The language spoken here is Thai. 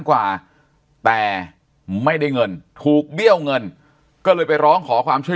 กว่าแต่ไม่ได้เงินถูกเบี้ยวเงินก็เลยไปร้องขอความช่วย